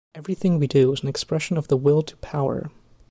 Everything we do is an expression of the will to power.